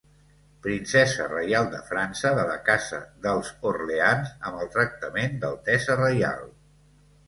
Princesa reial de França de la casa dels Orleans amb el tractament d'altesa reial.